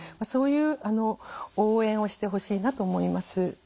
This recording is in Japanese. そういう応援をしてほしいなと思います。